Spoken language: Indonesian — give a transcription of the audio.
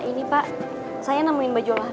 ini pak saya nemuin baju olah